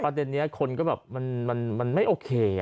ประเด็นนี้คนก็แบบมันไม่โอเค